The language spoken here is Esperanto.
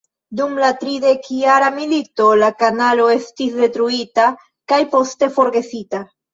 Dum la tridekjara milito la kanalo estis detruita kaj poste forgesita.